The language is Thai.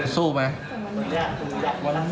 สู้ไหม